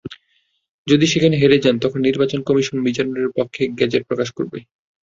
যদি সেখানে হেরে যান, তখন নির্বাচন কমিশন মিজানুরের পক্ষে গেজেট প্রকাশ করবে।